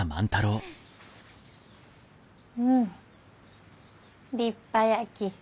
うん立派やき。